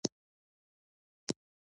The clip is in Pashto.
عطایي د ژبې د سوچهوالي پلوی و.